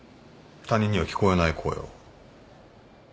他人には聞こえない声を。